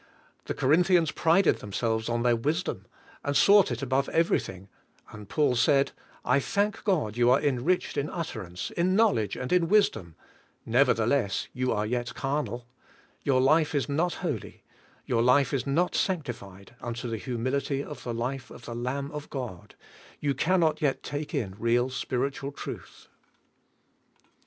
The Corinthians prided themselves on their wisdom, and sought it above everything, and CARNAL CHRISTIANS 15 Paul said: "I thank God that you are enriched in utterance, in knowledge, and in wisdom ; never theless, you are yet carnal, your life is not holy; 3'our life is not sanctified unto the humility of the life of the Lamb of God, you can not yet take in real spiritual truth."